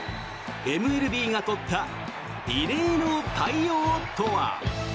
ＭＬＢが取った異例の対応とは？